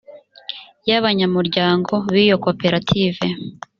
y abanyamuryango b iyo koperative